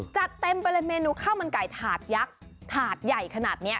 จัดเต็มไปเลยเมนูข้าวมันไก่ถาดยักษ์ถาดใหญ่ขนาดนี้